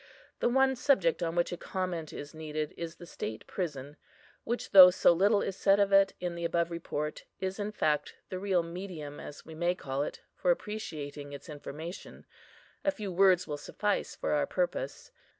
The one subject on which a comment is needed, is the state prison, which, though so little is said of it in the above Report, is in fact the real medium, as we may call it, for appreciating its information; a few words will suffice for our purpose.